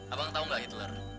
abang tahu nggak hitler